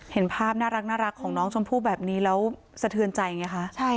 เห็นภาพน่ารักของน้องชมพู่แบบนี้แล้วสะเทือนใจไงคะ